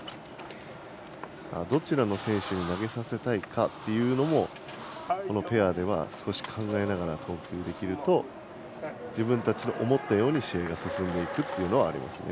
どちらの選手に投げさせたいかというのもこのペアでは少し考えながら投球できると自分たちの思ったように試合が進んでいくことがありますね。